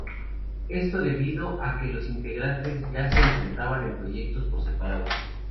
Esto debido a que los integrantes ya se encontraban en proyectos por separado.